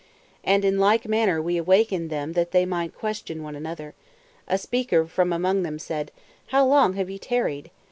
P: And in like manner We awakened them that they might question one another. A speaker from among them said: How long have ye tarried?